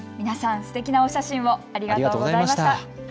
皆さんすてきなお写真ありがとうございました。